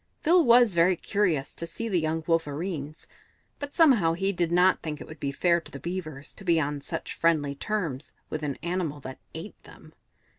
Phil was very curious to see the young Wolverenes, but somehow he did not think it would be fair to the Beavers to be on such friendly terms with an animal that ate them.